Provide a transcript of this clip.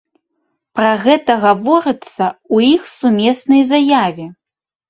Пра гэта гаворыцца ў іх сумеснай заяве.